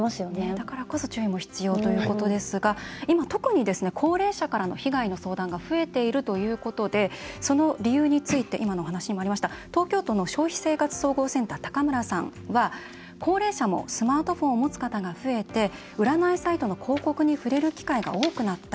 だからこそ注意も必要ということですが今、特に高齢者からの被害の相談が増えているということでその理由について今のお話にもありました東京都の消費生活総合センター高村さんは高齢者もスマートフォンを持つ方が増えて占いサイトの広告に触れる機会が多くなった。